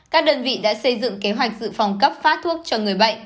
các đơn vị đã xây dựng kế hoạch sự phòng cấp phá thuốc cho người bệnh